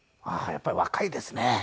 やっぱり若いですね。